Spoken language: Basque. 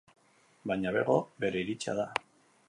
Baina bego, bere iritzia da.